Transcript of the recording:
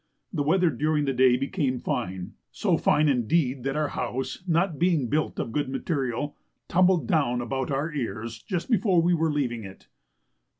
The weather during the day became fine, so fine indeed that our house, not being built of good material, tumbled down about our ears just before we were leaving it.